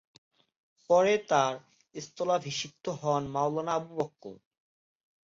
পরে তার স্থলাভিষিক্ত হন মাওলানা আবু বকর।